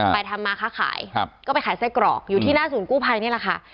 ทำมาค้าขายก็ไปขายไส้กรอกอยู่ที่หน้าศูนย์กู้ภัยนี่แหละค่ะ